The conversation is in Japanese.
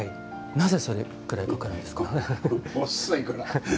なぜ、それくらいかかるんですか。